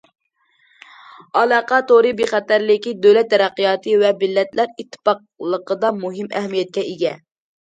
ئالاقە تورى بىخەتەرلىكى دۆلەت تەرەققىياتى ۋە مىللەتلەر ئىتتىپاقلىقىدا مۇھىم ئەھمىيەتكە ئىگە.